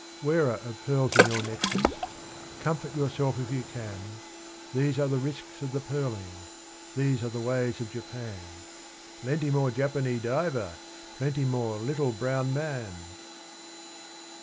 Wearer of pearls in your necklace, comfort yourself if you can, These are the risks of the pearling these are the ways of Japan, 'Plenty more Japanee diver, plenty more little brown man!'